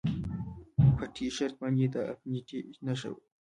په ټي شرټ باندې د انفینټي نښه وه